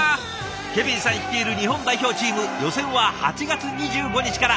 ケビンさん率いる日本代表チーム予選は８月２５日から。